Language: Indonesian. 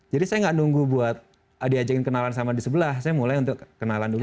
jadi saya tidak menunggu buat diajakin kenalan sama di sebelah saya mulai untuk kenalan dulu